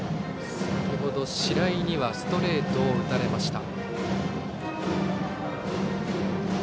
先程、白井にはストレートを打たれました。